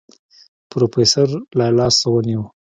پروفيسر له لاسه ونيو.